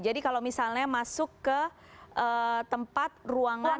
jadi kalau misalnya masuk ke tempat ruangan